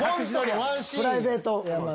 プライベート山内。